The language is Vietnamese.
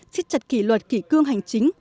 xích chặt kỷ luật kỷ cương hành chính